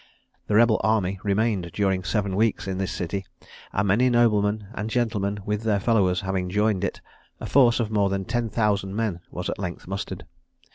The rebel army remained during seven weeks in this city; and many noblemen and gentlemen with their followers having joined it, a force of more than ten thousand men was at length mustered.